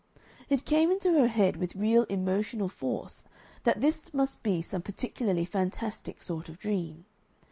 It came into her head with real emotional force that this must be some particularly fantastic sort of dream.